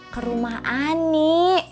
ke rumah ani